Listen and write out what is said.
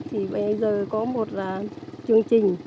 thì bây giờ có một chương trình